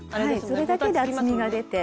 それだけで厚みが出て。